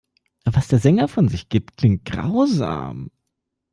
Was der Sänger von sich gibt, klingt grausam.